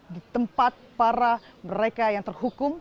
di tempat para mereka yang terhukum